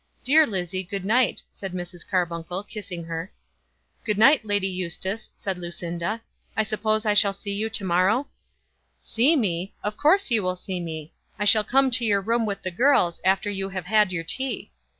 "Dear Lizzie, good night," said Mrs. Carbuncle, kissing her. "Good night, Lady Eustace," said Lucinda. "I suppose I shall see you to morrow?" "See me! of course you will see me. I shall come into your room with the girls, after you have had your tea."